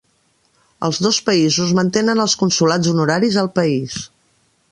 Els dos països mantenen els consolats honoraris al país.